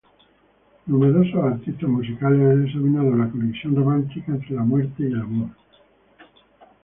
Numerosos artistas musicales han examinado la conexión romántica entre la muerte y el amor.